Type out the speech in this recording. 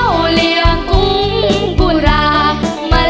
รั่งเชิงเข้าของพี่บ้า